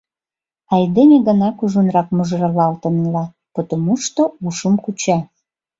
Айдеме гына кужунрак мужырлалтын ила, потомушто ушым куча.